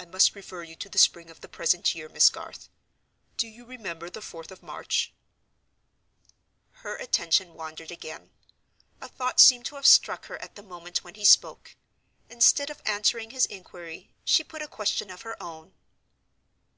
"I must refer you to the spring of the present year, Miss Garth. Do you remember the fourth of March?" Her attention wandered again; a thought seemed to have struck her at the moment when he spoke. Instead of answering his inquiry, she put a question of her own.